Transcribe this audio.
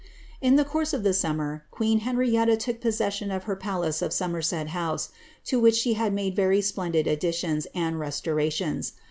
In the course of the summer queen Ilenrietui took possession of Mr i palace of Somerset House, to which she had made very splendid nidi ■ tions and restorations.